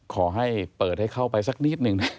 ขอให้เปิดให้เข้าไปสักนิดหนึ่งนะ